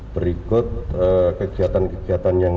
berikut kegiatan kegiatan